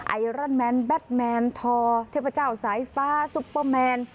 ไอรอนแมนแบทแมนทอเทพเจ้าสายฟ้าซุปเปอร์แมน